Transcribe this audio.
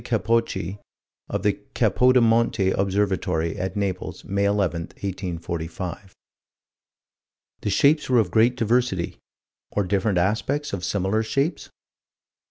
Capocci, of the Capodimonte Observatory, at Naples, May 11, 1845. The shapes were of great diversity or different aspects of similar shapes?